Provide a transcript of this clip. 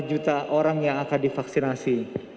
lima juta orang yang akan divaksinasi